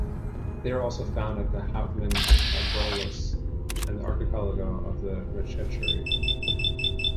They are also found at the Houtman Abrolhos and the Archipelago of the Recherche.